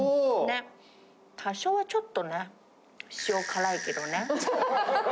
多少、ちょっとね、塩辛いけどね。